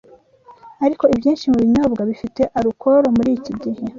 Ariko ibyinshi mu binyobwa bifite alukoro muri iki gihe